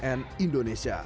tim liputan cnn indonesia